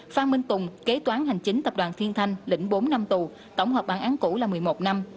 phan minh tùng kế toán hành chính tập đoàn thiên thanh lĩnh bốn năm tù tổng hợp bản án cũ là một mươi một năm